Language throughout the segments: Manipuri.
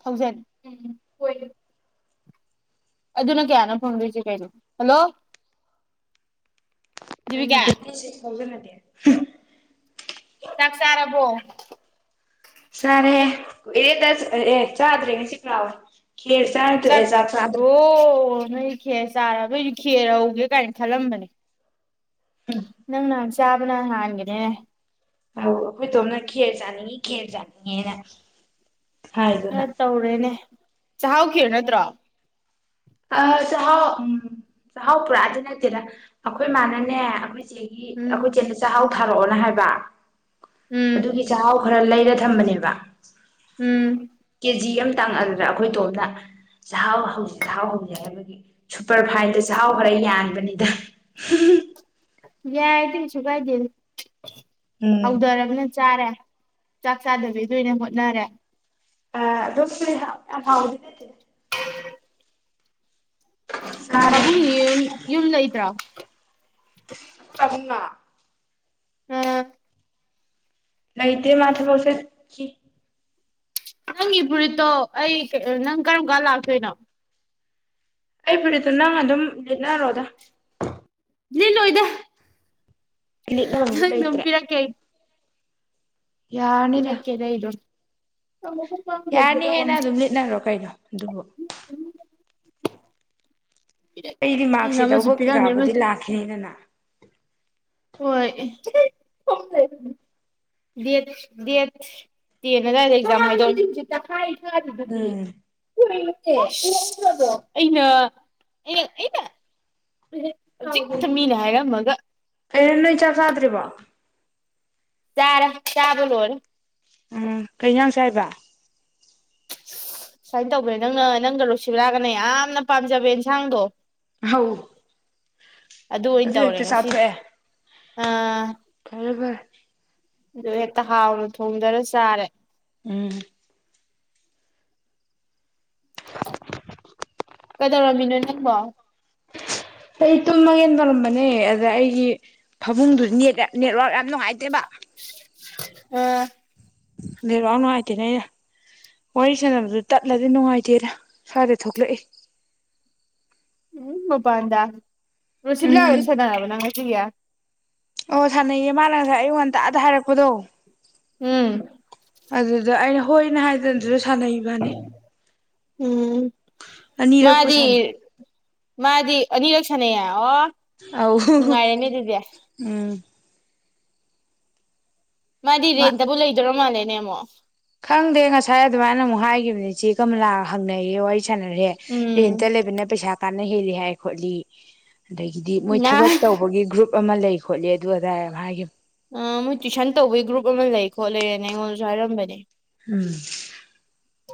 ꯊꯥꯎꯖꯟ ꯎꯝ ꯑꯗꯨꯅ ꯀꯌꯥꯅ ꯐꯪꯗꯣꯏꯁꯦ ꯀꯩꯅꯣ ꯍꯜꯂꯣ ꯀꯩꯅꯣ ꯗꯦꯕꯤꯀꯥ ꯇ꯭ꯋꯦꯟꯇꯤ ꯁꯤꯛꯁ ꯊꯥꯎꯖꯟ ꯅꯠꯇꯦ [unintelligible] ꯆꯥꯛ ꯆꯥꯔꯕꯣ ꯁꯔꯦ ꯑꯦꯗ ꯑꯦ ꯆꯥꯗꯔꯦ ꯉꯁꯤ ꯀ꯭ꯔꯥꯕ ꯆꯠ ꯑꯣ ꯅꯣꯏꯗꯤ ꯈꯦꯔ ꯆꯥꯔ ꯅꯣꯏꯗꯤ ꯈꯦꯔ ꯍꯧꯧꯒꯦ ꯀꯥꯏꯅ ꯈꯜꯂꯝꯕꯅꯦ ꯅꯪ ꯅꯍꯥꯟ ꯆꯥꯕꯅ ꯍꯥꯟꯒꯅꯤꯅꯦ ꯑꯣ ꯑꯩꯈꯣꯏ ꯇꯣꯝꯅ ꯈꯦꯔ ꯆꯥꯅꯤꯡꯉꯤ ꯈꯦꯔ ꯆꯥꯅꯤꯡꯉꯦꯅ ꯍ ꯍꯥꯏꯗꯨꯅ ꯇꯧꯔꯦꯅꯦ ꯆꯍꯥꯎ ꯀꯔ ꯅꯠꯇ꯭ꯔꯣ ꯑ ꯆꯥꯛꯍꯥꯎ ꯎꯝ ꯆꯥꯛꯍꯥꯎ ꯄꯨꯔꯛꯑꯗꯤ ꯅꯠꯇꯦꯗ ꯑꯩꯈꯣꯏ ꯃꯥꯅꯅꯦ ꯑꯩꯈꯣꯏ ꯆꯦꯒꯤ ꯎꯝ ꯑꯩꯈꯣꯏ ꯆꯦꯅ ꯆꯥꯛꯍꯥꯎ ꯊꯥꯔꯛꯑꯣꯅꯦ ꯍꯥꯏꯕ ꯎꯝ ꯑꯗꯨꯒꯤ ꯆꯥꯛꯍꯥꯎ ꯈꯔ ꯂꯩ ꯗ ꯊꯝꯕꯅꯦꯕ ꯎꯝ ꯀꯦ ꯖꯤ ꯑꯃ ꯇꯥꯡꯉꯛꯑ ꯑꯗꯨꯅ ꯑꯩꯈꯣꯏ ꯇꯣꯝꯗ ꯆꯥꯛꯍꯥꯎ ꯍꯧꯁ ꯆꯥꯛꯍꯥꯎ ꯍꯧꯁꯦ ꯍꯥꯏꯕꯒꯤ ꯁꯨꯄꯔ ꯐꯥꯏꯟꯗ ꯆꯥꯛꯍꯥꯎ ꯈꯔ ꯌꯥꯅꯤ ꯕꯅꯤꯗ ꯌꯥꯏ ꯇꯁꯨ ꯀꯥꯏꯗ ꯎꯝ ꯍꯧꯗꯔꯒꯅ ꯆꯥꯔꯦ ꯆꯥꯛ ꯆꯥꯗꯕꯤꯗꯅꯦ ꯍꯣꯠꯅꯔꯦ ꯑꯣ ꯍꯥꯎꯗꯗ ꯃꯥꯅ ꯄꯕꯨꯡꯅꯤ ꯌ ꯌꯟ ꯂ ꯂꯩꯇ꯭ꯔꯥ [unintelligible] ꯃ ꯎꯝ ꯂꯩꯗꯦ ꯃꯥꯊ ꯄꯣꯁꯦꯁꯤ ꯅꯪꯒꯤ ꯐꯨꯔꯤꯠꯇꯣ ꯑꯩ ꯅꯪ ꯀꯔꯝ ꯀꯥꯟ ꯂꯥꯛꯇꯣꯏꯅꯣ ꯑꯩ ꯐꯨꯔꯤꯠꯇꯨ ꯅꯪ ꯑꯗꯨꯝ ꯂꯤꯠꯅꯔꯣꯗ ꯅꯤꯂꯨ ꯏꯗ ꯂꯤꯠꯅꯕꯝꯁꯨ ꯅꯪ ꯂꯩꯇ꯭ꯔꯦ ꯅꯝꯄꯤꯤꯔ ꯀꯦ ꯏꯔꯛ ꯀꯦꯗꯩꯗ ꯌꯥꯔꯅꯤꯍꯦꯟꯅ ꯑꯗꯨꯝ ꯂꯤꯠꯅꯔꯣ ꯀꯩꯅꯣ ꯑꯗꯨꯕꯨ ꯄꯤꯔꯛꯀꯦ ꯑꯩꯗꯤ ꯅꯪꯅ ꯃꯥꯥꯛꯛꯁꯤ ꯑꯃꯁꯨ ꯇꯧꯕ ꯄꯤꯔꯝꯃꯦ ꯀꯩꯀꯥꯕꯨꯗꯤ ꯑꯃꯁꯨ ꯂꯥꯛꯈꯤꯅꯤꯗꯅ ꯍꯣꯏ ꯗꯦꯠ ꯇꯦꯟ ꯑꯗꯨꯋꯥꯏꯗ ꯑꯦꯛꯖꯥꯝ ꯍꯥꯏꯗꯧ ꯌꯥ ꯑꯗꯨꯗꯤ ꯎꯝ ꯍ ꯑꯩꯅ ꯏꯩꯅ ꯛꯇ ꯃꯤꯅ ꯍꯥꯏꯔꯝꯃꯒ ꯑꯦꯅ ꯆꯈꯗ꯭ꯔꯤ ꯋꯥ ꯆꯥ ꯆꯥꯕꯂꯣꯔ ꯎꯝ ꯀꯩ ꯉꯥꯡꯁꯦ ꯍꯥꯏꯕ ꯁꯨꯃꯥꯏꯅ ꯇꯧꯕꯅꯦ ꯅꯪꯅ ꯅꯪꯒ ꯂꯨꯁꯤꯕ ꯂꯥꯛꯒꯅ ꯌꯥꯝꯅ ꯄꯥꯝꯖꯕ ꯌꯦꯟꯁꯥꯡꯗꯣ ꯍ ꯑꯣꯏꯅ ꯑꯗꯨ ꯇꯧꯔꯦ ꯍꯦꯛꯇ ꯉꯁꯤꯗꯤ ꯆꯥꯊꯣꯛꯑꯦ ꯑꯥ ꯐꯔ ꯐꯔ [unintelligible] ꯑꯗꯨ ꯍꯦꯛꯇ ꯍꯥꯎꯅ ꯊꯣꯡꯗꯔ ꯆꯥꯔꯦ ꯎꯝ ꯀꯩꯗꯧꯔꯝꯃꯤꯅꯣ ꯅꯪꯕꯣ ꯑꯩ ꯇꯨꯝꯃꯒꯦꯟ ꯇꯧꯔꯝꯕꯅꯦ ꯑꯗ ꯑꯩꯒꯤ ꯐꯃꯨꯡꯗꯨꯗꯤ ꯅꯠ ꯅꯦꯠꯋꯥꯔꯛ ꯌꯥꯝ ꯅꯨꯡꯉꯥꯏꯇ꯭ꯔꯦꯕ ꯑꯝ ꯦꯔꯋꯥ ꯅꯨꯡꯉꯥꯏꯇꯦꯅꯦ ꯑꯩꯅ ꯋꯥꯔꯤ ꯁꯥꯟꯅꯕꯗꯨ ꯇꯠꯂꯗꯤ ꯅꯨꯡꯉꯥꯏꯇꯦꯅ ꯁ꯭ꯋꯥꯏꯗ ꯊꯣꯛꯂꯛꯏ ꯎꯝ ꯃꯄꯥꯟꯗ ꯔꯨꯔꯁꯤꯕꯤꯂꯥ ꯑꯣꯏ ꯎꯝ ꯁꯗꯅꯕ ꯌꯥ ꯑꯣ ꯁꯥꯟꯅꯩꯌꯦ ꯃꯥꯅ ꯉꯁꯥꯏ ꯑꯩꯉ ꯉꯟꯇꯥꯗ ꯍꯥꯏꯔꯛꯄꯗꯣ ꯎꯝ ꯑꯗꯨꯗ ꯑꯩꯅ ꯍꯣꯏꯅꯦ ꯍꯥꯏꯗꯅꯁꯨ ꯁꯥꯟꯅꯩꯕꯅꯤ ꯎꯝ ꯃꯥꯗꯤ ꯁꯥꯟꯅꯩ ꯃꯥꯗꯤ ꯑꯅꯤꯂꯛ ꯁꯅ ꯑꯣ ꯑ ꯅꯨꯡꯉꯥꯏꯔꯦꯅꯦ ꯑꯗꯨꯗꯤ ꯎꯝ ꯃꯥꯗꯤ ꯋꯥ ꯔꯦꯟꯇꯕꯨ ꯂꯩꯗꯣꯏꯔ ꯃꯥꯜꯂꯦꯅꯦ ꯃꯣ ꯈꯪꯗꯦ ꯉꯁꯥꯏ ꯑꯗꯨꯃꯥꯏꯅ ꯑꯃꯨꯛ ꯍꯥꯏꯒꯤꯈꯤꯕꯅꯤ ꯆꯦ ꯀꯔ ꯂ ꯍꯪꯅꯩꯏ ꯋꯥ ꯎꯝ ꯁꯅꯔꯦꯔꯤꯟꯇ ꯂꯩꯕꯅ ꯄꯩꯁꯥ ꯀꯥꯟꯅ ꯍꯦꯜꯂꯤ ꯍꯥꯏ ꯈꯣꯠꯂꯤ ꯑꯗꯒꯤꯗꯤ ꯃꯣꯏ ꯊꯕꯛ ꯅꯍꯥꯟ ꯇꯧꯕꯒꯤ ꯒ꯭ꯔꯨꯞ ꯑꯃ ꯂꯩ ꯈꯣꯠꯂꯤ ꯑꯗꯨ ꯑꯗꯥꯏ ꯍꯥꯏꯒꯤ ꯑ ꯃꯣꯏ ꯇꯨꯏꯁꯟ ꯍꯥꯏꯏꯔꯝꯕꯅꯤ ꯎꯝ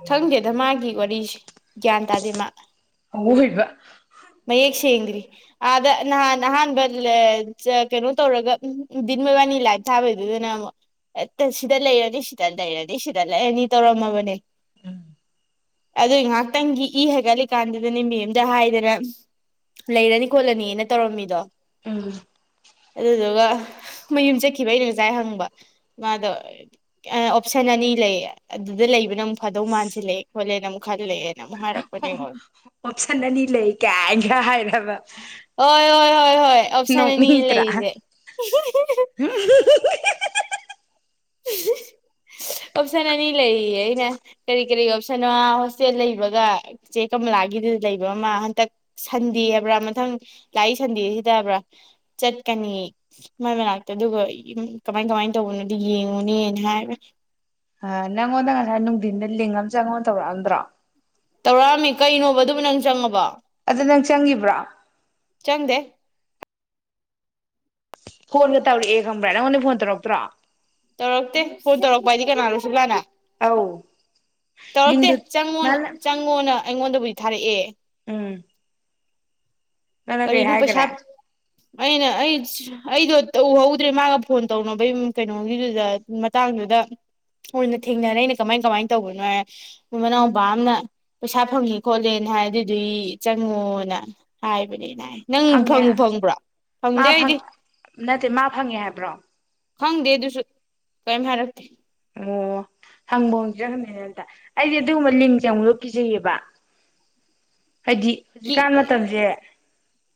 ꯈꯪꯒꯦꯗ ꯃꯥꯒꯤ ꯋꯥꯔꯤꯁꯦ ꯭ꯟ ꯇꯥꯗꯤ ꯃꯥ ꯑꯋꯣꯏꯕ ꯃꯌꯦꯛꯁ ꯏꯂꯤ ꯑꯥꯗ ꯅꯍꯥꯟ ꯑꯍꯥꯟꯕ ꯀꯩꯅꯣ ꯇꯧꯔꯒ ꯗꯤꯟ ꯃꯣꯏꯕꯥꯅꯤ ꯂꯥꯏꯞ ꯊꯥꯕꯩꯗꯨꯗꯅ ꯑꯃꯨꯛ ꯁꯤꯗ ꯂꯩꯔꯅꯤ ꯁꯤꯗ ꯂꯩꯔꯅꯤ ꯁꯤꯗ ꯂꯩꯔꯅꯤ ꯇꯧꯔꯝꯃꯕꯅꯦ ꯑꯗꯨꯏ ꯉꯥꯏꯍꯥꯛꯇꯪꯒꯤ ꯏ ꯍꯥꯏꯒꯠꯂꯤꯀꯥꯟꯗꯨꯗꯅꯦ ꯃ ꯑꯦꯝꯗ ꯍꯥꯏꯗꯅ ꯂꯩꯔꯅꯤ ꯈꯣꯠꯂꯅꯤꯅ ꯇꯧꯔꯝꯃꯤꯗꯣ ꯎꯝ ꯑꯗꯨꯗꯨꯒ ꯃꯌꯨꯝ ꯆꯠꯈꯤꯕ ꯑꯩꯅ ꯉꯖꯥꯏ ꯍꯪꯕ ꯃꯥꯗꯣ ꯑꯣꯞꯁꯟ ꯑꯅꯤ ꯂꯩ ꯑꯗꯨꯗ ꯂꯩꯕꯅ ꯗꯧ ꯃꯥꯟꯁꯤꯜꯂꯦ ꯈꯣꯠꯂꯦ ꯑꯣꯞꯁꯟ ꯑꯅꯤ ꯂꯩ ꯀꯦꯒ ꯍꯥꯏꯔꯕ ꯍꯣꯏ ꯍꯣꯏ ꯍꯣꯏ ꯍꯣꯏ ꯑꯣꯞꯁꯟ ꯑꯅꯤ ꯅꯣꯛꯅꯤꯡꯗ꯭ꯔꯥ ꯂꯩꯔꯤꯁꯦ [unintelligible] ꯑꯣꯞꯁꯟ ꯑꯅꯤ ꯂꯩꯌꯦ ꯑꯩꯅ ꯀꯔꯤ ꯀꯔꯤ ꯑꯣꯞꯁꯟ ꯑꯃ ꯍꯣꯁꯇꯦꯜ ꯂꯩꯕꯒ ꯆꯦ ꯀꯃꯂꯥꯒꯤꯗꯨ ꯂꯩꯕ ꯑꯃ ꯍꯟꯇꯛ ꯁꯟꯗꯦ ꯍꯥꯏꯕ꯭ꯔꯥ ꯃꯊꯪ ꯂꯥꯛꯏ ꯁꯟꯗꯦꯁꯤꯗꯕ꯭ꯔꯥ ꯆꯠꯀꯅꯤ ꯃꯣꯏ ꯃꯅꯥꯛꯇ ꯑꯗꯨꯒ ꯀꯃꯥꯏ ꯀꯃꯥꯏꯅ ꯇꯧꯕꯅꯣ ꯌꯦꯉꯅꯦ ꯌꯦꯅꯦ ꯍꯥꯏꯕ ꯑ ꯅꯪꯉꯣꯟꯗ ꯉꯁꯥꯏ ꯅꯨꯡꯊꯤꯟꯗ ꯂꯤꯡꯉꯝ ꯆꯦ ꯑꯩꯉꯣꯟꯗ ꯇꯧꯔꯛꯑꯝꯗ꯭ꯔꯣ ꯇꯧꯔꯛꯑꯝꯃꯤ ꯀꯩꯅꯣꯕ ꯑꯗꯨꯕꯨ ꯅꯪ ꯆꯪꯉꯕꯣ ꯑ ꯅꯪ ꯆꯪꯈꯤꯕ꯭ꯔꯥ ꯆꯪꯗꯦ ꯐꯣꯟꯒ ꯇꯧꯔꯛꯑꯦ ꯈꯪꯕ꯭ꯔꯥ ꯅꯪꯉꯣꯟꯗ ꯐꯣꯟ ꯇꯧꯔꯛꯇ꯭ꯔꯣ ꯇꯧꯔꯛꯇꯦ ꯐꯣꯟ ꯇꯧꯔꯛꯄ ꯍꯥꯏꯗꯤ ꯀꯅꯥꯅꯣ ꯁ ꯀꯥꯟꯅ ꯑꯥꯎ ꯇꯧꯔꯛꯇꯦ ꯆꯪꯉꯣ ꯆꯪꯉꯣꯅ ꯑꯩꯉꯣꯟꯗꯕꯨꯗꯤ ꯊꯥꯔꯛꯑꯦ ꯎꯝ ꯅꯅꯗꯤꯦ ꯀꯔꯤꯅꯣ ꯄꯩꯁꯥ ꯍꯥꯏꯒ꯭ꯔ ꯑꯩꯅ ꯑꯩ ꯑꯩꯗꯣ ꯎꯍꯧꯗ꯭ꯔꯦ ꯃꯥꯒ ꯐꯣꯟ ꯇꯧꯅꯕꯩ ꯀꯩꯅꯣꯒꯤꯗꯨꯗ ꯃꯇꯥꯡꯗꯨꯗ ꯑꯣꯏꯅ ꯊꯦꯡꯅꯔ ꯑꯩꯅ ꯀꯃꯥꯏ ꯀꯃꯥꯏꯅ ꯇꯧꯒꯦ ꯑꯗꯨꯥꯏ ꯃ ꯃꯅꯥꯎꯄꯥ ꯑꯃꯅ ꯄꯩꯁꯥ ꯐꯪꯉꯦ ꯈꯣꯠꯂꯦꯅ ꯍꯥꯏꯗꯨꯗꯨ ꯆꯪꯉꯣꯅ ꯍꯥꯏꯕꯅꯦ ꯐꯪꯉꯦ ꯃꯥ ꯐꯪꯗꯦ ꯑꯩꯗꯤ ꯅꯠꯇꯦ ꯃꯥ ꯐꯪꯉꯦ ꯍꯥꯏꯕ꯭ꯔꯣ ꯈꯪꯗꯦ ꯑꯗꯨꯁꯨ ꯀꯔꯤꯝ ꯍꯥꯏꯔꯛꯇꯀꯦ ꯑꯣ ꯍꯪꯕ ꯍꯪꯖ꯭ꯔꯅꯤꯅ ꯑꯇ ꯑꯩꯗꯤ ꯑꯗꯨꯒꯨꯝꯕ ꯂꯤꯡꯁꯦ ꯑꯃꯨꯛ ꯂꯧ ꯄꯤꯖꯩꯌꯦꯕ ꯍꯥꯏꯗꯤ ꯀꯤ ꯍꯧꯖꯤꯛꯀꯥꯟ ꯃꯇꯝꯁꯦ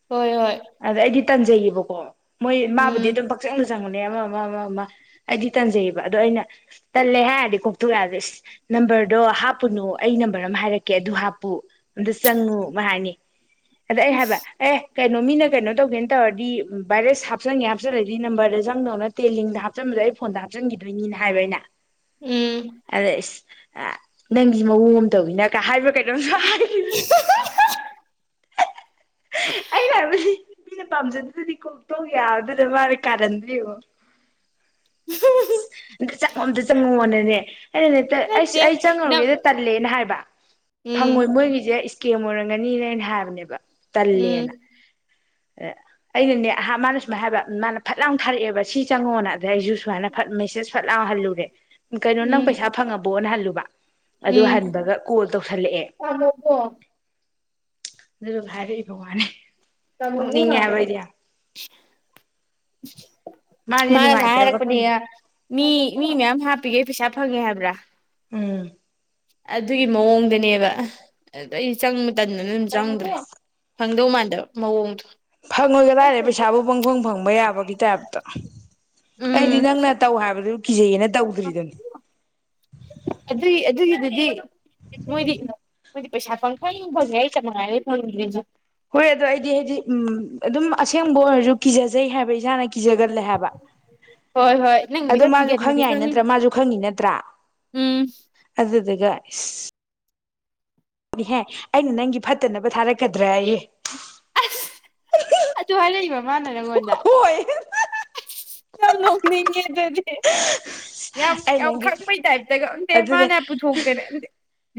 ꯍꯣꯏ ꯍꯣꯏ ꯑꯗ ꯑꯩꯗꯤ ꯇꯟꯖꯩꯕꯀꯣ ꯃꯣꯏ ꯃꯥꯕꯨꯗꯤ ꯎꯝ ꯑꯗꯨꯝ ꯄꯥꯛꯆꯪ ꯆꯪꯕꯅꯤ ꯑꯃ ꯑꯃ ꯑꯃ ꯑꯃ ꯑꯩꯗꯤ ꯇꯟꯖꯩꯌꯦꯕ ꯑꯗꯣ ꯑꯩꯅ ꯇꯜꯂꯦ ꯍꯥꯏꯔꯗꯤ ꯀꯣꯛꯇꯣꯛ ꯌꯥꯔꯗꯤ ꯅꯝꯕꯔꯗꯣ ꯍꯥꯞꯄꯨꯅꯨ ꯑꯩ ꯅꯝꯕꯔ ꯑꯃ ꯍꯥꯏꯔꯛꯀꯦ ꯑꯗꯨ ꯍꯥꯞꯄꯨ ꯑꯝꯇ ꯆꯪꯉꯨ ꯍꯥꯏꯅꯤ ꯑꯗ ꯑꯩ ꯍꯥꯏꯕ ꯑꯦ ꯀꯩꯅꯣ ꯃꯤꯅ ꯀꯩꯅꯣ ꯇꯧꯒꯦꯅ ꯇꯧꯔꯗꯤ ꯚꯥꯏꯔꯦꯁ ꯍꯥꯞꯆꯟꯒꯦ ꯍꯥꯞꯆꯜꯂꯗꯤ ꯅꯝꯕꯔꯗ ꯆꯪꯗꯧ ꯅꯠꯇꯦ ꯂꯤꯡꯗ ꯍꯥꯞꯆꯤꯟꯕꯗꯣ ꯑꯩ ꯐꯣꯟꯗ ꯍꯥꯞꯆꯤꯟꯈꯤꯗꯣꯏꯅꯤꯅ ꯍꯥꯏꯕ ꯑꯩꯅ ꯎꯝ ꯑꯗꯦ ꯅꯪꯒꯤ ꯃꯑꯣꯡ ꯑꯃ ꯇꯧꯤꯅ ꯀ ꯍꯥꯏꯕ꯭ꯔ ꯀꯩꯅꯣꯝꯁꯨ ꯍꯥꯏꯈꯤꯕꯅꯦ [unintelligible] ꯑꯅꯅꯤ ꯃꯤꯅ ꯄꯥꯝꯖꯗꯗꯗꯤ ꯀꯣꯛꯇꯧ ꯌꯥꯗꯅ ꯃꯥꯅ ꯀꯥꯔꯟꯗ꯭ꯔꯤꯔꯤꯕ ꯑꯗ ꯆꯪꯉꯣ ꯑꯝꯗ ꯆꯪꯉꯣꯑꯣꯅꯦ ꯑ ꯑꯩꯅꯅꯦ ꯑꯩꯁ ꯅꯠꯇꯦ ꯑꯩ ꯅꯪ ꯆꯪꯉꯔꯨꯒꯦ ꯇꯜꯂꯦꯅ ꯍꯥꯏꯕ ꯇ ꯎꯝ ꯐꯪꯉꯣꯏ ꯃꯣꯏꯒꯤꯁꯦ ꯀꯦꯝ ꯑꯣꯏꯔꯝꯒꯅꯤꯅ ꯑꯩꯅ ꯍꯥꯏꯞ ꯟꯕ ꯎꯝ ꯇꯂꯦꯅ ꯑꯩꯅꯅꯦꯍ ꯃꯥꯅ ꯁꯨꯃꯥꯏ ꯍꯥꯏꯕ ꯃꯥꯅ ꯐꯠ ꯂꯥꯎꯅ ꯊꯥꯔꯛꯑꯦꯕ ꯁꯤ ꯆꯪꯉꯣꯅ ꯑꯗ ꯑꯩꯁꯨ ꯁꯨꯃꯥꯏꯅ ꯐ ꯃꯦꯁꯦꯁ ꯐꯠꯂꯦ ꯑ ꯍꯜꯂꯒꯦ ꯀꯩꯅꯣ ꯅꯪ ꯎꯝ ꯄꯩꯁꯥ ꯐꯪꯉꯕ ꯕꯣꯅꯍꯜꯂꯨꯕ ꯑꯗꯨ ꯎꯝ ꯍꯥꯟꯕꯒ ꯀꯣꯜ ꯇꯧꯁꯜꯂꯛꯑꯦ ꯇꯝꯃꯣꯀꯣ ꯑꯗꯨ ꯍꯥꯏꯚꯥꯏꯔꯕ ꯃꯥꯅꯦ ꯇꯃꯕꯨ ꯃꯥꯁꯦ ꯃꯥꯅꯁ ꯅꯨꯡꯉꯥꯏꯇ꯭ꯔꯕ ꯍꯥꯏꯔꯛꯄꯅꯦ ꯈꯪꯗꯦ ꯃꯤ ꯃꯤ ꯃꯌꯥꯝ ꯍꯥꯞꯄꯤꯒꯦ ꯄꯩꯁꯥ ꯐꯪꯉꯦ ꯍꯥꯏꯕ꯭ꯔꯥ ꯎꯝ ꯑꯗꯨꯒꯤ ꯃꯑꯣꯡꯗꯅꯦꯕ ꯑꯗꯨꯗ ꯑꯩ ꯆꯪ ꯃꯇꯝꯗꯅ ꯑꯗꯨꯝ ꯆꯪꯗ꯭ꯔꯦ ꯈꯪꯗꯧ ꯃꯥꯟꯗꯕ ꯃꯑꯣꯡꯗꯣ ꯐꯪꯉꯣꯏꯒ ꯂꯥꯏꯔꯦ ꯄꯩꯁꯥꯕꯨ ꯄꯪꯐꯪ ꯐꯪꯕ ꯌꯥꯕꯒꯤ ꯇꯥꯏꯞꯇ ꯑꯩꯗꯤ ꯅꯪꯅ ꯇꯧ ꯍꯥꯏꯕꯗꯨ ꯀꯖꯩꯩꯅ ꯑꯗꯨ ꯑꯗꯨꯗꯤ ꯃꯣꯏꯗꯤ ꯃꯣꯏꯗꯤ ꯄꯩꯁꯥ ꯐꯪ ꯐ ꯐꯪꯉꯦ ꯑꯩ ꯇ ꯃꯉꯥꯏꯔ ꯐꯪꯗꯦꯁꯨ ꯍꯣꯏ ꯑꯗꯣ ꯑꯩꯗꯤ ꯍꯥꯏꯗꯤ ꯎꯝ ꯑꯗꯨꯝ ꯑꯁꯦꯡꯕ ꯑꯣꯏꯔꯁꯨ ꯀꯤꯖꯖꯩ ꯍꯥꯏꯕ ꯏꯁꯥꯅ ꯀꯤꯖꯒꯜꯂꯦ ꯍꯥꯏꯕ ꯍꯣꯏ ꯍꯣꯏ ꯅꯪꯕꯨꯗꯤ ꯑꯗꯣ ꯈꯔ ꯃꯥꯁꯨ ꯈꯪ ꯀꯤꯒꯟꯕꯅꯤ ꯌꯥꯏ ꯈꯪꯉꯤ ꯅꯠꯇ꯭ꯔꯥ ꯃꯥꯁꯨ ꯈꯪꯉꯤ ꯅꯠꯇ꯭ꯔꯥ ꯎꯝ ꯑꯗꯨ ꯑꯗꯨꯒꯒ ꯑꯗꯨꯗꯤꯍꯦ ꯑꯩꯅ ꯅꯪꯒꯤ ꯐꯠꯇꯅꯕ ꯊꯥꯔꯛꯀꯗ꯭ꯔ ꯑꯩꯌꯦꯦ ꯑꯁ ꯑꯗꯨ ꯍꯥꯏꯔꯛꯏꯕ ꯃꯥꯅ ꯅꯪꯉꯣꯟꯗ ꯍꯣꯏ ꯌꯥꯝ ꯅꯣꯛꯅꯤꯡꯉꯦꯗꯗꯤ ꯌꯥꯝ ꯑꯩ ꯌꯥꯝ ꯅꯪꯒꯤ ꯈꯪꯕꯩ ꯇꯥꯏꯞꯇ ꯈ ꯈꯪꯗꯦ ꯑꯗꯨꯅꯦ ꯃꯥꯅ ꯄꯨꯊꯣꯛꯇꯔꯦꯗꯤꯦ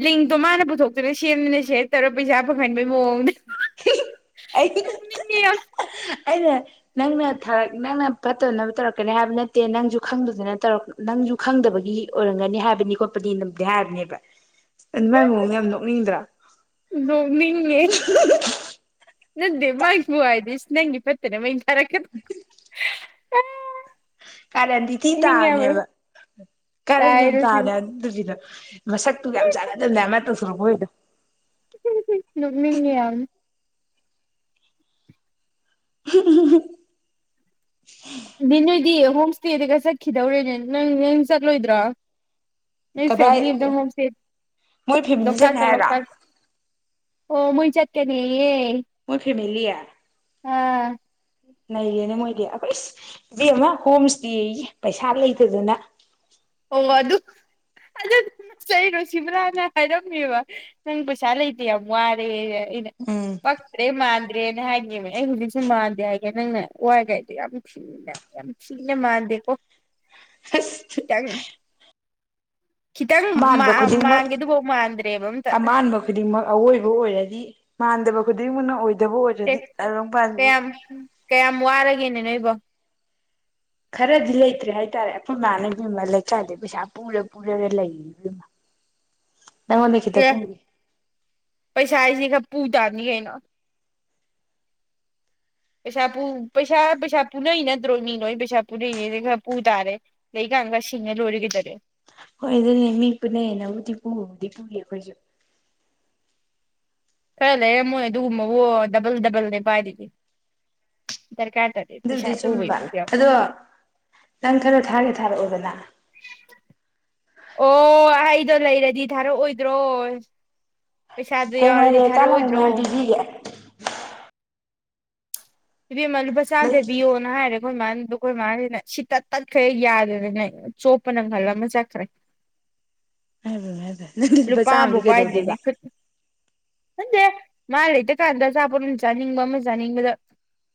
ꯂꯤꯡꯇꯣ ꯃꯥꯅ ꯄꯨꯊꯣꯛꯇꯨꯅ ꯁꯦꯝꯃꯤꯅ ꯁꯦ ꯇꯧꯔ ꯄꯩꯁꯥ ꯐꯪꯍꯟꯕꯒꯤ ꯃꯣꯡ ꯑꯩ ꯅꯣꯡꯅꯤꯡꯉ ꯑꯩꯅ ꯅꯪꯅ ꯅꯪꯅ ꯐꯠꯇꯅꯕ ꯇꯧꯔꯛꯀꯅꯤ ꯍꯥꯏꯕ ꯅꯠꯇꯦ ꯅꯪꯁꯨ ꯈꯪꯗꯗꯅ ꯇꯧꯔꯛ ꯅꯪꯁꯨ ꯈꯪꯗꯕꯒꯤ ꯑꯣꯏꯔꯝꯒꯅꯤ ꯍꯥꯏꯕꯅꯤ ꯈꯣꯠꯄꯅꯤ ꯉꯝꯗꯦ ꯍꯥꯏꯕꯅꯦꯕ ꯃꯥꯏ ꯃꯑꯣꯡ ꯌꯥꯝ ꯅꯣꯛꯅꯤꯡꯗ꯭ꯔꯥ ꯅꯃꯤꯅꯦ ꯅꯦ ꯃꯥꯒꯤꯕꯨꯨ ꯍꯥꯏꯗꯗꯤ ꯏ ꯏꯁ ꯅꯪꯒꯤ ꯄꯠꯇꯦꯅꯦ ꯃ ꯍꯥꯏꯔ ꯎ ꯀꯔꯦꯗꯤꯊꯤ ꯇꯥꯅꯦꯕ ꯀꯔꯦꯟꯅꯤ ꯌꯥꯝ ꯇꯥꯏꯔꯣ ꯇꯥꯅꯦ ꯑꯗꯨꯕꯤꯅ ꯃꯁꯛꯇꯨ ꯌꯥꯝ ꯆꯥꯟꯅꯗꯕꯅꯦ ꯑꯃ ꯁꯔ ꯍꯣꯏꯗ ꯃꯤꯉ ꯌꯥꯝ [unintelligible] ꯕꯤꯅꯨ ꯗꯤ ꯍꯣꯝ ꯏꯁꯇꯦꯗꯤꯒ ꯆꯠꯈꯤꯗꯧꯔꯦꯅꯦ ꯅꯪ ꯅꯪ ꯆꯠꯂꯣꯏꯗ꯭ꯔꯥ ꯀꯗꯥꯏ ꯃꯣꯏ ꯐꯦꯃꯤꯂꯤꯁꯤꯅ ꯂꯣꯛꯇꯥꯛꯇ ꯍꯥꯏꯔ ꯂꯣꯛꯇꯥꯛꯇ ꯑꯣ ꯃꯟꯆ ꯀꯗꯤ ꯃꯣꯏ ꯐꯦꯃꯤ ꯅꯩꯔꯦꯅꯦ ꯃꯣꯏꯗꯤ ꯑꯩꯈꯣꯏ ꯏꯕꯦꯝ ꯑꯃ ꯍꯣꯝ ꯏꯁꯇꯦ ꯄꯩꯁꯥ ꯂꯩꯇꯗꯅ ꯑꯣ ꯑꯗꯨ ꯆꯩꯔꯣ ꯁꯤꯕ꯭ꯔꯥꯅ ꯍꯥꯏꯔꯝꯃꯦꯕ ꯅꯪ ꯄꯩꯁꯥ ꯂꯩꯇꯦ ꯌꯥꯝ ꯋꯥꯔꯦ ꯏꯅꯦ ꯎꯝ ꯄꯈ꯭ꯔꯦ ꯃꯥ ꯃꯥꯟꯗ꯭ꯔꯦꯅ ꯍꯥꯏꯅꯤꯕ ꯑꯩ ꯍꯧꯖꯤꯛꯁꯨ ꯃꯥꯟꯗꯦ ꯍꯥꯏꯒꯦ ꯅꯪꯅ ꯋꯥꯏ ꯀꯥꯏꯗꯣ ꯌꯥꯝ ꯊꯤꯅ ꯌꯥꯝ ꯊꯤꯅ ꯃꯥꯟꯗꯦꯀꯣ ꯑꯁ ꯇꯪ ꯑꯃꯥꯟꯕ ꯈꯨꯗꯤꯡꯃꯛ ꯃꯥꯟꯒꯦꯗꯨꯐꯥꯎ ꯃꯥꯟꯗ꯭ꯔꯦꯕ ꯑꯝꯇ ꯑꯃꯥꯟꯕ ꯈꯨꯗꯤꯡꯃꯛ ꯑꯋꯣꯏꯕ ꯑꯣꯏꯔꯗꯤ ꯃꯥꯟꯗꯕ ꯈꯨꯗꯤꯡꯃꯛꯅ ꯑꯣꯏ ꯦ ꯀꯌꯥꯝ ꯀꯌꯥꯝ ꯋꯥꯔꯒꯦꯅꯦ ꯅꯣꯏꯕꯣ ꯈꯔꯗꯤ ꯂꯩꯇ꯭ꯔꯦ ꯍꯥꯏꯇꯥꯔꯦ ꯑꯩꯈꯣꯏ ꯏꯃꯅꯕꯤꯃ ꯂꯩꯀꯥꯏꯗ ꯄꯩꯁꯥ ꯄꯨꯔ ꯄꯨꯔꯒ ꯂꯩꯃ ꯑꯦ ꯄꯩꯁꯥꯥꯏꯁꯤ ꯈ ꯄꯨ ꯇꯥꯕꯅꯤ ꯀꯩꯅꯣ ꯄꯩꯁꯥ ꯄꯨ ꯄꯩꯁꯥ ꯄꯩꯁꯥ ꯄꯨꯅꯩ ꯅꯠꯇ꯭ꯔꯣ ꯃꯤ ꯅꯣꯏ ꯄꯩꯁꯥ ꯄꯨꯅꯩꯅꯦꯩꯥ ꯄꯨ ꯇꯥꯔꯦ ꯂꯩꯀꯥꯟꯒ ꯁꯤꯡꯉ ꯂꯣꯏꯔꯒꯩꯗꯔꯦ ꯍꯣꯏ ꯑꯗꯨꯅꯦ ꯃꯤ ꯄꯨꯅꯩꯌꯦꯅꯕꯨꯗꯤ ꯄꯨꯕꯕꯨꯗꯤ ꯄꯨꯔꯤ ꯑꯩꯈꯣꯏꯁꯨ ꯈꯔ ꯂꯩꯔꯃꯣꯏ ꯑꯗꯨꯒꯨꯝꯕꯕꯨ ꯗꯕꯜ ꯗꯕꯜꯅꯦ ꯄꯥꯏꯗꯣꯢꯖꯦ ꯑꯗꯨꯗꯤ ꯆꯨꯝꯕ ꯑꯗꯣ ꯅꯪ ꯈꯔꯣ ꯊꯥꯒꯦ ꯊꯥꯔꯛꯑꯣꯗꯅ ꯑꯣ ꯑꯩꯗꯣ ꯂꯩꯔꯗꯤ ꯊꯥꯔꯛꯑꯣꯏꯗ꯭ꯔꯣ ꯄꯩꯁꯥꯗꯣ ꯍꯌꯦꯡꯋꯥꯢ ꯌꯥꯎꯔꯗꯤ ꯂꯩꯔꯀꯥꯟꯗ ꯊꯥꯔꯛꯑꯣꯏꯗ꯭ꯔꯣ ꯃꯌꯥꯝ ꯄꯤꯕꯤꯒꯦ [inaudible] ꯏꯕꯦꯃ ꯂꯨꯄꯥ ꯆꯥꯝꯗ ꯂꯩ ꯄꯤꯌꯣꯅ ꯍꯥꯏꯔ ꯑꯩꯈꯣꯏ ꯃꯥꯗ ꯑꯩꯈꯣꯏ ꯃꯥꯁꯤꯅ ꯁꯤ ꯇꯠ ꯇꯠꯈ꯭ꯔꯦ ꯌꯥꯗꯗꯅ ꯆꯣꯞꯄ ꯅꯪꯍꯜꯂꯝꯃ ꯆꯠꯈ꯭ꯔꯦ ꯍꯥꯏ ꯅꯪꯗꯤ ꯂꯨꯄꯥ ꯆꯥꯝꯃꯗꯤ ꯀꯩꯗꯧꯗꯣꯏꯕ ꯅꯗꯦ ꯃꯥ ꯂꯩꯇ ꯀꯥꯟꯗ ꯑꯆꯥꯄꯣꯠ ꯑꯃ ꯆꯥꯅꯤꯡꯕ ꯑꯃ ꯆꯥꯅꯤꯡꯕꯗ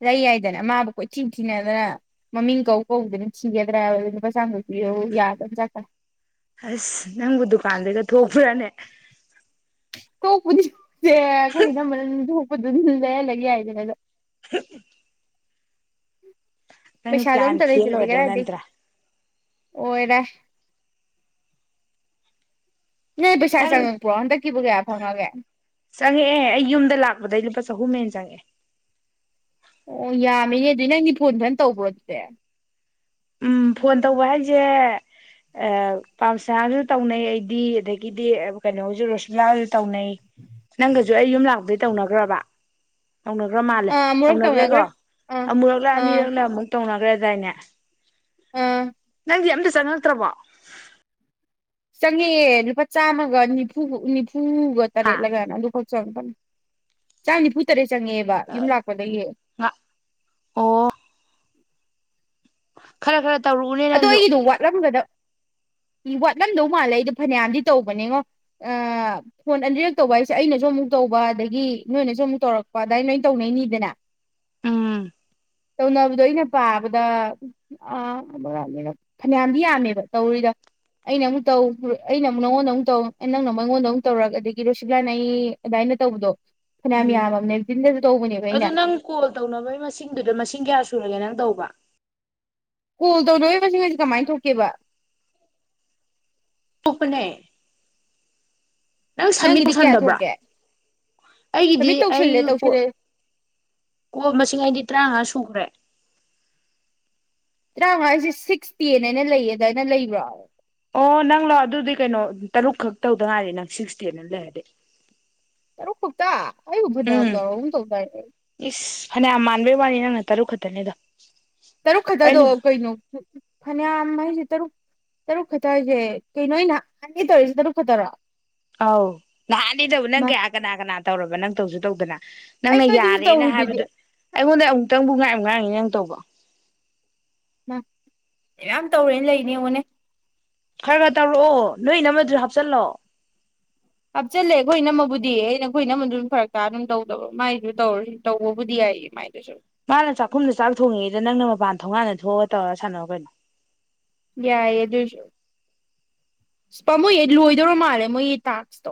ꯂꯩ ꯌꯥꯏꯗꯅ ꯃꯥꯕꯨ ꯀꯣꯏ ꯊꯤꯟ ꯊꯤꯅꯗꯅ ꯃꯃꯤꯡ ꯀꯧ ꯀꯧꯕꯧꯗꯅ ꯊꯤꯒꯗ꯭ꯔꯥ ꯂ ꯅꯨꯄꯥ ꯆꯥꯡ ꯑꯁ ꯅꯪꯕꯨ ꯗꯨꯀꯥꯟꯗꯒ ꯊꯣꯛꯄ꯭ꯔꯅꯦ ꯊꯣꯛꯄꯨꯗꯤ ꯇꯦ ꯈꯣꯢ ꯏꯅꯝꯃꯅ ꯑꯗꯨ ꯂꯩ ꯂꯩꯒ ꯍꯥꯏꯗꯅ ꯅꯪ ꯄꯩꯁꯥꯗꯣ ꯄ꯭ꯂꯥꯟ ꯑꯝꯇ ꯐꯦꯜ ꯂꯩꯇ꯭ꯔꯗꯤ ꯑꯣꯏꯔꯦ ꯀꯔꯥꯢꯗꯩ ꯅꯠꯇ꯭ꯔꯥ ꯑꯣꯏꯔꯦ ꯅꯣꯏ ꯄꯩꯁꯥ ꯅꯪ ꯆꯪꯉꯛꯄ꯭ꯔꯣ ꯍꯟꯗꯛꯀꯤꯕꯨ ꯀꯌꯥ ꯐꯪꯉꯒꯦ ꯆꯪꯉꯛꯑꯦ ꯑꯩ ꯌꯨꯝꯗ ꯂꯥꯛꯄꯗꯩ ꯂꯨꯄꯥ ꯆꯍꯨꯝ ꯍꯦꯟ ꯆꯪꯉꯛꯑꯦ ꯑꯣ ꯌꯥꯝꯃꯤꯅꯦ ꯑꯗꯨꯏ ꯅꯪꯗꯤ ꯐꯣꯟ ꯐꯟ ꯇꯧꯕ꯭ꯔꯣ ꯑꯗꯨꯗꯤ ꯎꯝ ꯐꯣꯟ ꯇꯧꯕ ꯍꯥꯏꯁꯦ ꯄꯥꯝꯁꯥꯁꯨ ꯇꯧꯅꯩ ꯑꯩꯗꯤ ꯑꯗꯒꯤꯗꯤ ꯀꯩꯅꯣꯁꯨ ꯔꯣꯁꯃꯤꯂꯥꯁꯨ ꯇꯧꯅꯩ ꯅꯪꯒꯁꯨ ꯑꯩ ꯌꯨꯝ ꯂꯥꯛꯄꯣꯏ ꯇꯧꯅꯈ꯭ꯔꯕ ꯇꯧꯅꯈ꯭ꯔ ꯃꯥꯜꯂꯦ ꯑꯥ ꯑꯃꯨꯔꯛ ꯇꯧꯅꯈ꯭ꯔꯦꯀꯣ ꯇꯧꯅꯈ꯭ꯔꯦ ꯑꯥ ꯑꯃꯨꯔꯛꯂ ꯑꯥ ꯑꯅꯤꯔꯛꯂ ꯑꯃꯨꯛ ꯇꯧꯅ ꯒ꯭ꯔꯗꯥꯢꯅꯦ ꯑꯝ ꯪꯗꯤ ꯑꯝꯇ ꯆꯪꯉꯛꯇ꯭ꯔꯕꯣ ꯆꯪꯉꯦꯑꯦ ꯂꯨꯄꯥ ꯆꯥꯝꯃꯒ ꯅꯤꯐꯨ ꯅꯤꯐꯨ ꯐꯨꯒ ꯍꯥ ꯇꯔꯦꯠꯂ ꯀꯋꯥꯅꯣ ꯑꯗꯨ [unintelligible] ꯆꯥꯝ ꯅꯤꯐꯨ ꯇꯔꯦꯠ ꯆꯪꯉꯦꯕ ꯌꯨꯝ ꯂꯥꯛꯄꯗꯒꯤꯗꯒꯤ ꯉ ꯑꯣ ꯈꯔ ꯈꯔ ꯇꯧꯔꯛꯎꯅꯦ ꯑꯗꯣ ꯅꯪꯁꯨ ꯑꯩꯒꯤꯗꯣ ꯋꯥꯠꯂꯝꯒꯗꯕ ꯋꯥꯠꯂꯝꯗꯧ ꯃꯥꯜꯂꯦ ꯑꯩꯗꯣ ꯐꯅꯌꯥꯝꯗꯤ ꯇꯧꯕꯅꯦꯉꯣ ꯑ ꯐꯣꯟ ꯑꯅꯤꯔꯛ ꯇꯧꯕ ꯍꯥꯏꯁꯦ ꯑꯩꯅꯁꯨ ꯑꯃꯨꯛ ꯇꯧꯕ ꯑꯗꯒꯤ ꯅꯣꯏꯅꯁꯨ ꯑꯃꯨꯛ ꯇꯧꯔꯛꯄ ꯑꯗꯨꯃꯥꯏ ꯅ ꯇꯧꯅꯩꯅꯤꯗꯅ ꯎꯝ ꯇꯧꯅꯕꯗꯣ ꯑꯩꯅ ꯄꯥꯕꯗ ꯑ ꯐꯅꯌꯥꯝꯗꯤ ꯌꯥꯝꯃꯦꯕ ꯇꯧꯔꯤꯗ ꯑꯩꯅ ꯑꯃꯨꯛ ꯇꯧ ꯑꯩꯅ ꯑꯃꯨꯛ ꯅꯪꯉꯣꯟꯗ ꯑꯃꯨꯛ ꯇꯧ ꯅꯪꯅ ꯑꯃꯨꯛ ꯑꯩꯉꯣꯟꯗ ꯑꯃꯨꯛ ꯇꯧꯔꯒ ꯑꯗꯒꯤ ꯔꯣꯁꯤꯛꯂꯥꯟꯅ ꯑꯩ ꯑꯗꯨꯗꯥꯃꯥꯏꯅ ꯇꯧꯕꯗꯣ ꯐꯅꯌꯥꯝ ꯎꯝ ꯌꯥꯝꯃꯕꯅꯦ ꯇꯤꯟꯗꯁꯨ ꯇꯧꯕꯅꯦꯕ ꯑꯩꯅ ꯑꯗꯨ ꯅꯪ ꯀꯣꯜ ꯇꯧꯅꯕꯒꯤ ꯃꯁꯤꯡꯗꯨꯗ ꯃꯁꯤꯡ ꯀꯌꯥ ꯁꯨꯔꯒꯦ ꯅꯪ ꯇꯧꯕ ꯀꯣꯜ ꯇꯧꯅꯔꯤꯕꯁꯤꯡꯁ ꯀꯃꯥꯏꯅ ꯊꯣꯛꯀꯦꯕ ꯄꯨꯅꯦ ꯅꯪ ꯁꯕꯃꯤꯠ ꯅꯪꯒꯤꯗꯤ ꯀꯌꯥ ꯇꯧꯁꯟꯗꯕ꯭ꯔꯥ ꯊꯣꯛꯀꯦ ꯑꯩꯒꯤꯗꯤ ꯁꯕꯃꯤꯠ ꯑꯩ ꯇꯧꯁꯤꯜꯂꯦ ꯀ ꯇꯧꯁꯤꯜꯂꯦ ꯀꯣ ꯃꯁꯤꯡ ꯑꯩꯗꯤ ꯇꯔꯥꯃꯉꯥ ꯁꯨꯈ꯭ꯔꯦ ꯑꯉꯥꯡ ꯍꯥꯏꯁꯦ ꯁꯤꯛꯁ ꯇꯦꯟ ꯍꯥꯏꯅ ꯂꯩꯌꯦ ꯑꯗꯨꯃꯥꯏꯅ ꯂꯩꯕ꯭ꯔꯣ ꯑꯣ ꯅꯪ ꯂꯥꯛꯑꯣ ꯑꯗꯨꯗꯤ ꯀꯩꯅꯣ ꯇꯔꯨꯛ ꯈꯛ ꯇꯧꯗꯉꯥꯏꯗꯤ ꯅꯪ ꯁꯤꯛꯁꯇꯤꯅ ꯂꯩꯔꯗꯤ ꯇꯔꯨꯛ ꯈꯛꯇ ꯑꯩꯕꯨ ꯐꯅꯌꯥꯝ ꯎꯝ ꯆꯥꯎꯔꯒꯨꯝ ꯇꯧꯗꯥꯏ ꯏꯁ ꯐꯅꯌꯥꯝ ꯃꯥꯟꯕꯩ ꯋꯥꯅꯤ ꯅꯪꯅ ꯇꯔꯨꯛ ꯈꯛꯇꯅꯤꯗꯣ ꯇꯔꯣ ꯈꯊꯗꯣ ꯑꯩꯅ ꯀꯣꯏꯅ ꯐꯅꯌꯥꯝ ꯍꯥꯏꯁꯦ ꯇꯔꯨꯛ ꯇꯔꯨꯛ ꯈꯛꯇ ꯍꯥꯏꯁꯦ ꯀꯩꯅꯣ ꯍꯟꯗ ꯇꯧꯔꯤꯁꯦ ꯇꯔꯨꯛ ꯈꯛꯇꯔꯣ ꯑꯧ ꯅꯍꯥꯟꯅꯤꯗꯕꯨ ꯃꯥ ꯅꯪꯒꯤ ꯑꯥ ꯀꯅꯥ ꯀꯅꯥ ꯇꯧꯔꯕ ꯅꯪ ꯇꯧꯁꯨ ꯇꯧꯗꯅ ꯑꯩ ꯅꯪꯅ ꯅꯣꯏꯗꯁꯨ ꯌꯥꯔꯦꯅ ꯇꯧꯔꯤꯗꯨꯗꯤ ꯍꯥꯏꯕꯗꯣ ꯑꯩꯉꯣꯟꯗ ꯑꯃꯨꯛꯇꯪꯕꯨ ꯉꯥꯏ ꯑꯃ ꯉꯥꯡꯉꯤ ꯅꯪ ꯇꯧꯕ ꯌꯥꯝ ꯇꯧꯔꯦꯅ ꯂꯩꯅꯦꯉꯣꯟꯅꯦ ꯈꯔ ꯈꯔ ꯇꯧꯔꯛꯑꯣ ꯅꯣꯏ ꯅꯝꯃꯗꯨ ꯍꯥꯞꯆꯤꯜꯂꯣ ꯍꯥꯞꯆꯜꯂꯦ ꯑꯩꯈꯣꯏ ꯅꯝꯃꯕꯨꯗꯤ ꯑꯩꯅ ꯑꯩꯈꯣꯏ ꯅꯝꯃꯗꯨ ꯑꯗꯨꯝ ꯐꯔꯛ ꯇꯥ ꯑꯗꯨꯝ ꯇꯧꯗꯕ ꯃꯥꯏꯁꯨ ꯇꯧꯔ ꯇꯧꯕꯕꯨꯗꯤ ꯌꯥꯏꯌꯦꯃꯥꯏꯅ ꯃꯥꯅ ꯆꯥꯛꯈꯨꯝꯗ ꯆꯥꯛ ꯊꯣꯡꯉꯦꯗ ꯅꯪꯅ ꯃꯄꯥꯟ ꯊꯣꯡꯒꯥꯟꯅ ꯊꯣꯛꯑꯒ ꯇꯧꯔꯒ ꯁꯥꯟꯅꯔ ꯀꯩꯅꯣ ꯌꯥꯏꯌꯦ ꯑꯗꯨꯁꯨꯥꯃꯣꯏ ꯂꯣꯏꯗꯧꯔ ꯃꯥꯜꯂꯦ ꯃꯣꯏꯒꯤ ꯇꯥꯛꯁꯇꯣ